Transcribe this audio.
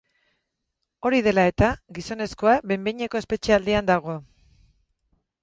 Hori dela eta, gizonezkoa behin-behineko espetxealdian dago.